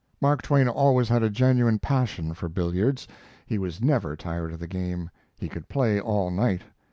Mark Twain always had a genuine passion for billiards. He was never tired of the game. He could play all night.